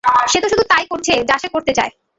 সে শুধু তাই করছে যা সে করতে চায়।